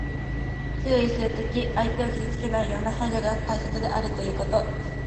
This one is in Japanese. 注意するときに、相手を傷つけないような配慮が大切であるということ。